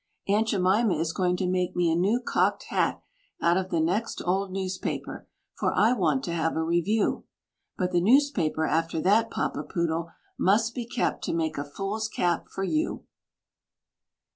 Aunt Jemima is going to make me a new cocked hat out of the next old newspaper, for I want to have a review; But the newspaper after that, Papa Poodle, must be kept to make a fool's cap for you.